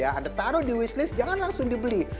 anda taruh di wishlist jangan langsung dibeli